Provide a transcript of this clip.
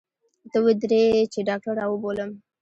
ته ودرې چې ډاکتر راوبولم.